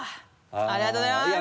ありがとうございます。